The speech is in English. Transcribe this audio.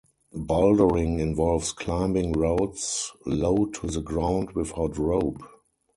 Bouldering involves climbing routes low to the ground without rope.